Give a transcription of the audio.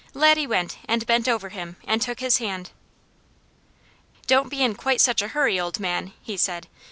Laddie went and bent over him and took his hand. "Don't be in quite such a hurry, old man," he said.